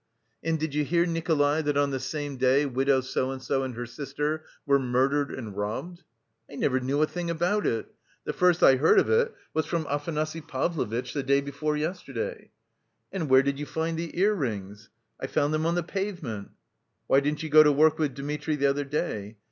'And did you hear, Nikolay, that on the same day Widow So and so and her sister were murdered and robbed?' 'I never knew a thing about it. The first I heard of it was from Afanasy Pavlovitch the day before yesterday.' 'And where did you find the ear rings?' 'I found them on the pavement.' 'Why didn't you go to work with Dmitri the other day?